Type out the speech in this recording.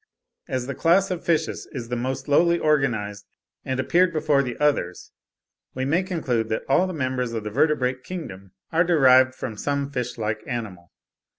As the class of fishes is the most lowly organised, and appeared before the others, we may conclude that all the members of the vertebrate kingdom are derived from some fishlike animal.